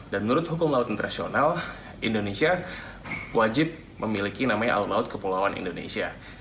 dan menurut hukum laut internasional indonesia wajib memiliki namanya laut laut kepulauan indonesia